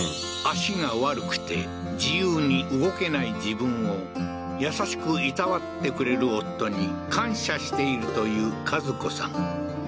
足が悪くて自由に動けない自分を優しく労ってくれる夫に感謝しているという和子さん